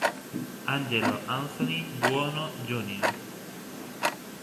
Angelo Anthony Buono Jr.